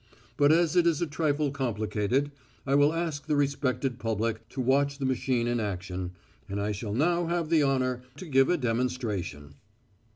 But as it is a trifle complicated, I will ask the respected public to watch the machine in action, and I shall now have the honour to give a demonstration.